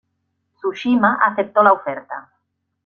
Tsushima aceptó la oferta.